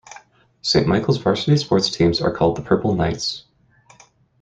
Saint Michael's varsity sports teams are called the Purple Knights.